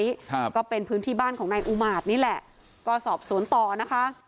ครับก็เป็นพื้นที่บ้านของนายอูมาตรนี่แหละก็สอบสวนต่อนะคะ